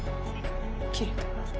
切れた。